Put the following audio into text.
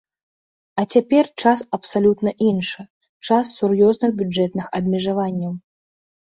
А цяпер час абсалютна іншы, час сур'ёзных бюджэтных абмежаванняў.